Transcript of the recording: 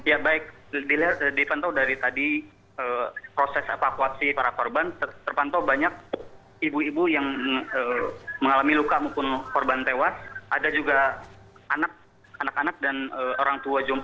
ya baik dilihat dipantau dari tadi